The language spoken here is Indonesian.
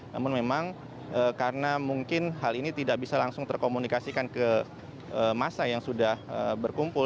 namun memang karena mungkin hal ini tidak bisa langsung terkomunikasikan ke masa yang sudah berkumpul